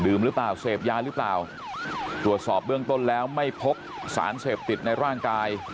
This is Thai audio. หรือเปล่าเสพยาหรือเปล่าตรวจสอบเบื้องต้นแล้วไม่พบสารเสพติดในร่างกาย